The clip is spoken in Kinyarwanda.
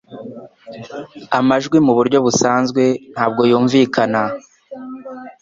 amajwi mu buryo busanzwe ntabwo yumvikana